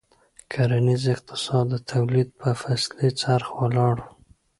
کرنیز اقتصاد د تولید په فصلي څرخ ولاړ و.